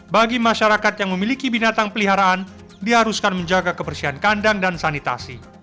bagi masyarakat yang memiliki binatang peliharaan diharuskan menjaga kebersihan kandang dan sanitasi